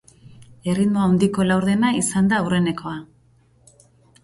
Erritmo handiko laurdena izan da aurrenekoa.